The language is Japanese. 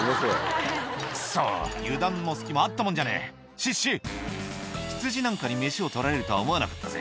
「クソ油断も隙もあったもんじゃねえシッシッ」「ヒツジなんかに飯を取られるとは思わなかったぜ」